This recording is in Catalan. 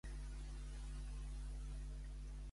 Què va assolir el fill de Sèmele?